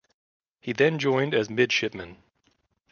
He then joined as midshipman.